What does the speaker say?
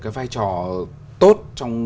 cái vai trò tốt